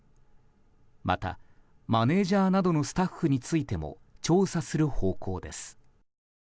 またマネジャーなどのスタッフについても調査する方向です。